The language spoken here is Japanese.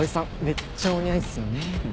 めっちゃお似合いっすよね。